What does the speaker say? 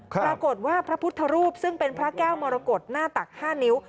ปรากฏว่าพระพุทธรูปซึ่งเป็นพระแก้วมรกฏหน้าตัก๕นิ้ว